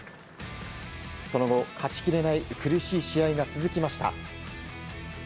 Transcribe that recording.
その後、勝ちきれない苦しい試合が続きました。